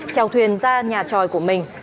chào thuyền ra nhà tròi của mình